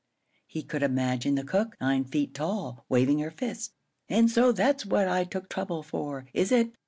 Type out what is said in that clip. He could imagine the cook, nine feet tall, waving her fist. "An' so that's what I took trouble for, is it?